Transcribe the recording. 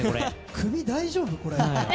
首大丈夫？